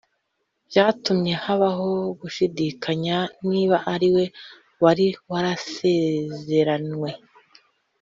, byatumye habaho gushidikanya niba ariwe wari warasezeranywe